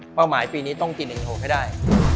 เป้าหมายปีนี้ต้องกิน๑โหกให้ได้